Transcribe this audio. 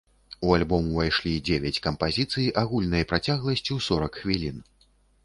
У альбом увайшлі дзевяць кампазіцый агульнай працягласцю сорак хвілін.